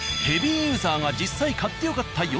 ヘビーユーザーが実際買ってよかった